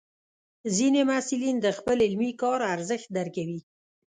ځینې محصلین د خپل علمي کار ارزښت درکوي.